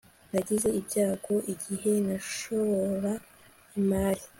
Nagize ibyago igihe nashora imari